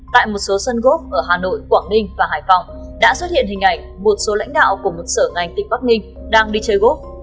tại một số sân gốc ở hà nội quảng ninh và hải phòng đã xuất hiện hình ảnh một số lãnh đạo của một sở ngành tỉnh bắc ninh đang đi chơi gốc